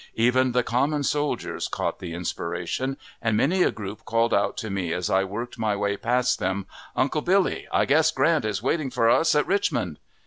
Even the common soldiers caught the inspiration, and many a group called out to me as I worked my way past them, "Uncle Billy, I guess Grant is waiting for us at Richmond!"